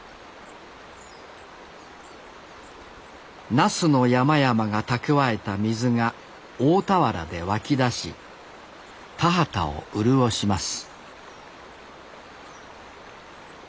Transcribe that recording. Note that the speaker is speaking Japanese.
那須の山々が蓄えた水が大田原で湧き出し田畑を潤します